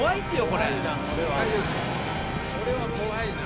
これは怖いな。